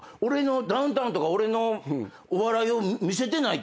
ダウンタウンとか俺のお笑いを見せてないってことじゃん。